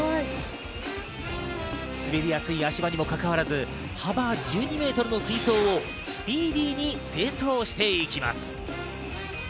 滑りやすい足場にもかかわらず幅１２メートルの水槽をスピーディーに清掃していきます。